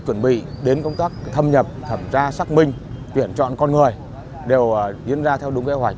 chuẩn bị đến công tác thâm nhập thẩm tra xác minh tuyển chọn con người đều diễn ra theo đúng kế hoạch